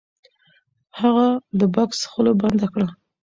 هغه د بکس خوله بنده کړه. .